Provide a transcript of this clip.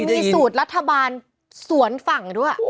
มีสูตรรัฐบาลสวนฝั่งด้วย